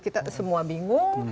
kita semua bingung